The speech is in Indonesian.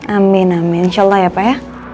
amin amin insyaallah ya pak ya